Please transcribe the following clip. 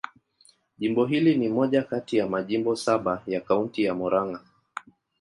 Jimbo hili ni moja kati ya majimbo saba ya Kaunti ya Murang'a.